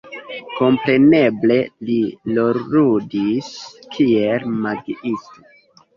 Kompreneble li rolludis kiel magiisto.